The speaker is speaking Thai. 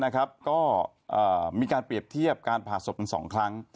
ก็มีการเปรียบเทียบการผ่าศพเป็น๒ครั้ง